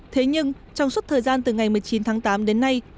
thế nhưng trong suốt thời gian từ ngày một mươi chín tháng tám đến nay